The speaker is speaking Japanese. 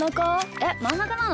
えっまんなかなの？